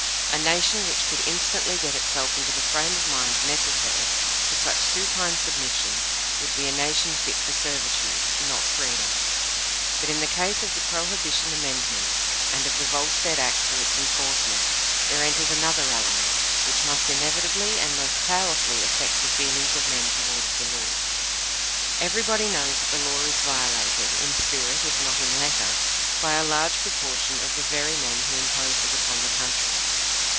A nation which could instantly get itself into the frame of mind necessary for such supine submission would be a nation fit for servitude, not freedom. But in the case of the Prohibition Amendment, and of the Volstead act for its enforcement, there enters another element which must inevitably and most powerfully affect the feelings of men toward the law. Everybody knows that the law is violated, in spirit if not in letter, by a large proportion of the very men who imposed it upon the country.